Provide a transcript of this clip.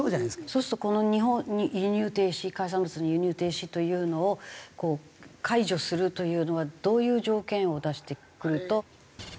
そうするとこの輸入停止海産物の輸入停止というのを解除するというのはどういう条件を出してくるとやめる？